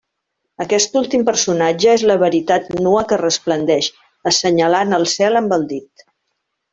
Aquest últim personatge és la Veritat nua que resplendeix, assenyalant al cel amb el dit.